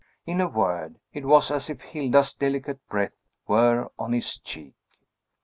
In a word, it was as if Hilda's delicate breath were on his cheek.